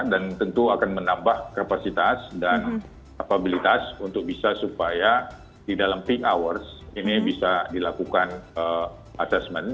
dan tentu akan menambah kapasitas dan kapabilitas untuk bisa supaya di dalam peak hours ini bisa dilakukan assessment